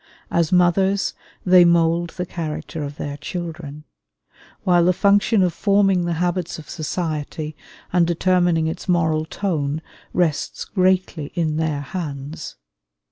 As mothers they mold the character of their children; while the function of forming the habits of society and determining its moral tone rests greatly in their hands.